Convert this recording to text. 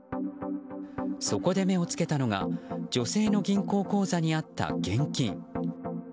そこで目を付けたのが女性の銀行口座にあった現金。